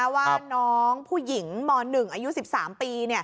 ว่าน้องผู้หญิงม๑อายุ๑๓ปี